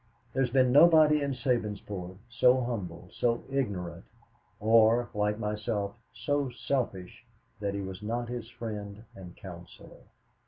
There has been nobody in Sabinsport so humble, so ignorant, or, like myself, so selfish that he was not his friend and counselor.